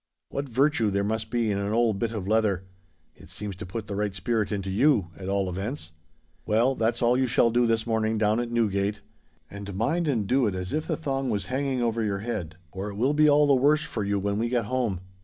What virtue there must be in an old bit of leather: it seems to put the right spirit into you, at all events. Well, that's all you shall do this morning down at Newgate; and mind and do it as if the thong was hanging over your head—or it will be all the worse for you when we get home.